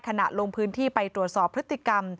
ขณะลงพื้นที่ไปตรวจสอบพฤติกรรม